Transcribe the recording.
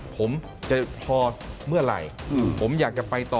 ผมจะพอเมื่อไหร่ผมอยากจะไปต่อ